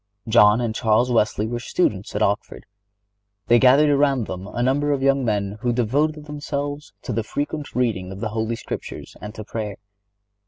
John and Charles Wesley were students at Oxford. They gathered around them a number of young men who devoted themselves to the frequent reading of the Holy Scriptures and to prayer.